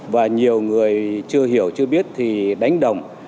và nhiều người chưa hiểu chưa biết thì đánh đồng